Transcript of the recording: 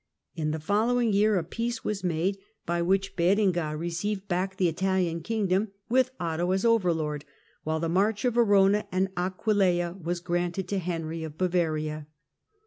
In the following year a peace was made, by which Berengar received back the Italian kingdom, with Otto as over lord, while the March of Verona and Aquileia was granted to Henry of Bavaria.